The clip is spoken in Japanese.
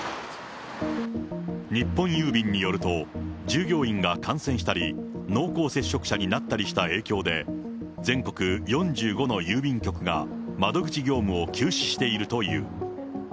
日本郵便によると、従業員が感染したり、濃厚接触者になったりした影響で、全国４５の郵便局が窓口業務を休止しているという。